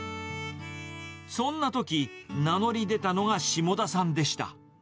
そんなとき、名乗り出たのが下田さんでした。